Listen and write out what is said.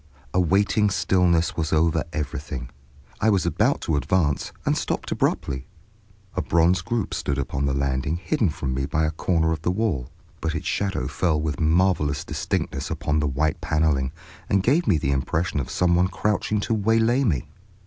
A waiting stillness was over everything. I was about to advance, and stopped abruptly. A bronze group stood upon the landing hidden from me by a corner of the wall; but its shadow fell with marvelous distinctness upon the white paneling, and gave me the impression of some one crouching to waylay me.